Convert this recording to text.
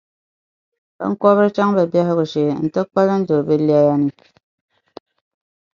biŋkɔbiri chaŋ bɛ biɛhigu shee nti kpalim do bɛ lɛya ni.